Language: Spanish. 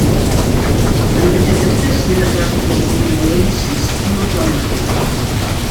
Antecedentes de rabdomiólisis no traumática.